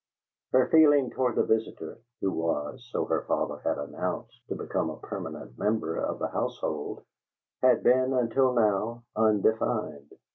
Her feeling toward the visitor (who was, so her father had announced, to become a permanent member of the household) had been, until now, undefined.